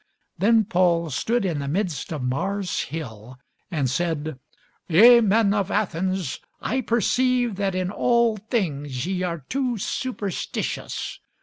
Then Paul stood in the midst of Mars' hill, and said, Ye men of Athens, I perceive that in all things ye are too superstitious.